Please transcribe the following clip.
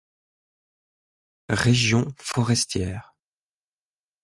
Régions forestières.